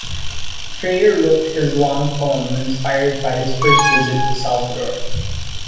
Freyre wrote this long poem inspired by his first visit to Salvador.